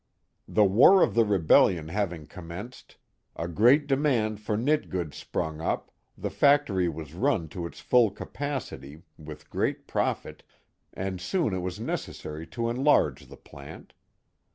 The war of the rebellion having commenced, a great demand for knit goods sprung up, the factory was run to its full capacity, with great profit, and soon it was necessary to enlarge the plant.